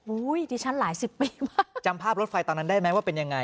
ดิฉันหลายสิบปีมากจำภาพรถไฟตอนนั้นได้ไหมว่าเป็นยังไง